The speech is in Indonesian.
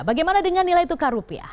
bagaimana dengan nilai tukar rupiah